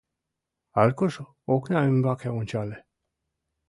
Аркуш окна ӱмбаке ончале.